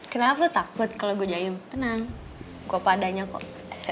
kenapa takut kalau gue jahit tenang gue apa adanya kok